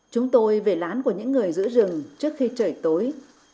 chúng tôi về lán của những người giữ rừng trước khi trời tối